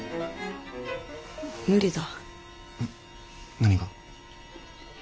何が？